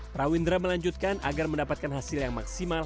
prawindra melanjutkan agar mendapatkan hasil yang maksimal